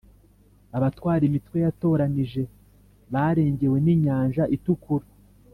abatwara imitwe yatoranije barengewe n’inyanja itukura.